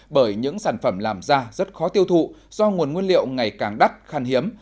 bởi những sản phẩm làm ra rất khó tiêu thụ do nguồn nguyên liệu ngày càng đắt khan hiếm